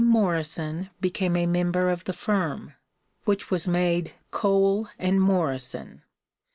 Morrison became a member of the firm, which was made Cole & Morrison.